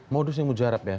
modus yang mujarab ya